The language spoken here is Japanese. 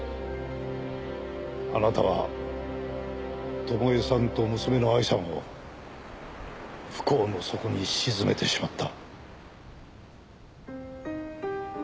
あなたは友恵さんと娘の藍さんを不幸の底に沈めてしまった。